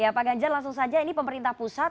ya pak ganjar langsung saja ini pemerintah pusat